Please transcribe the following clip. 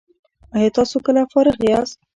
ایا تاسو کله فارغ یاست؟